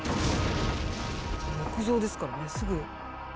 木造ですからねすぐ。